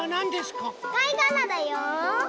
かいがらだよ！